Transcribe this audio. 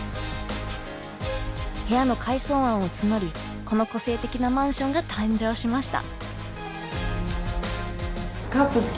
部屋の改装案を募りこの個性的なマンションが誕生しました。